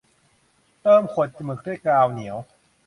เติมขวดหมึกด้วยกาวเหนียว